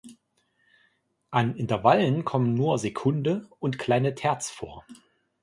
An Intervallen kommen nur Sekunde und kleine Terz vor.